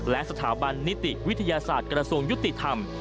และสถาบันนิติวิทยาศาสตร์กระทรวงยุติธรรม